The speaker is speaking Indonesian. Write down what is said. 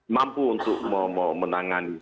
mampu untuk menangani